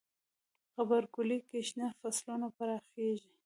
غبرګولی کې شنه فصلونه پراخیږي.